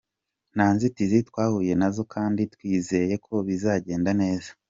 Nta nzitizi twahuye nazo kandi twizeye ko bizagenda neza.